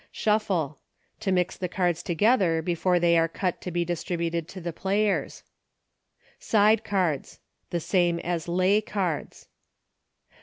Shuffle. To mix the cards together be fore they are cut to be distributed to the players. Side Cards. The same as Lay Cards.